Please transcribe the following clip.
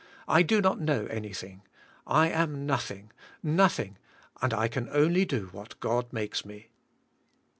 I do not know anything , I am nothing , noth ing , and I can only do what God makes me."